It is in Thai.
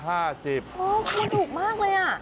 โอ้ดูดุมากเลยอ่ะ